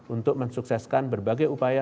untuk mensukseskan berbagai upaya